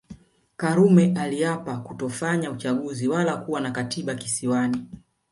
Karume aliapa kutofanya uchaguzi wala kuwa na Katiba Kisiwani